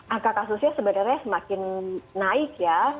angka kasusnya sebenarnya semakin naik ya